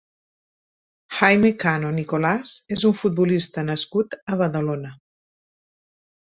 Jaime Cano Nicolás és un futbolista nascut a Badalona.